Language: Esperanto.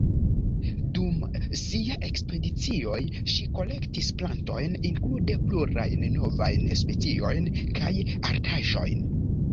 Dum sia ekspedicioj ŝi kolektis plantojn, inklude plurajn novajn speciojn, kaj artaĵojn.